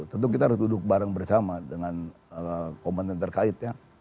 tentu kita harus duduk bareng bersama dengan komponen terkaitnya